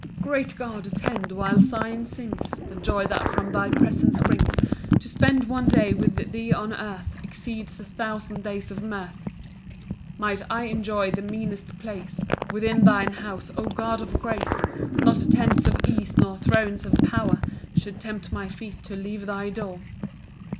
1 Great God, attend, while Sion sings The joy that from thy presence springs To spend one day with thee on earth Exceeds a thousand days of mirth. 2 Might I enjoy the meanest place Within thine house, O God of grace, Not tents of ease, nor thrones of power, Should tempt my feet to leave thy door.